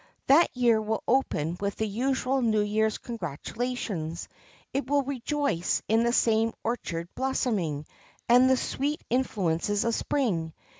That year will open with the usual New year's congratulations; it will rejoice in the same orchard blossoming, and the sweet influences of Spring.